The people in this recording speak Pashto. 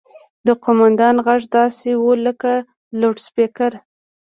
د قوماندان غږ داسې و لکه له لوډسپيکره.